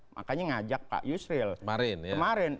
makanya ngajak pak yusril kemarin